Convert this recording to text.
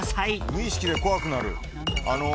無意識で怖くなる。